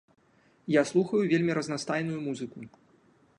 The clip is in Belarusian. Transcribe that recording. Я слухаю вельмі разнастайную музыку.